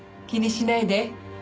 気にしないで。